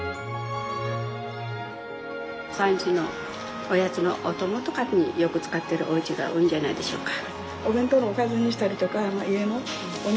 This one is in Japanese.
３時のおやつのお供とかによく使ってるおうちが多いんじゃないでしょうか。